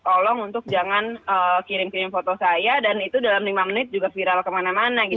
tolong untuk jangan kirim kirim foto saya dan itu dalam lima menit juga viral kemana mana gitu